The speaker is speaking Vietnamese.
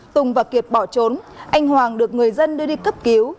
tùng và kiệt bỏ trốn anh hoàng được người dân đưa đi cấp cứu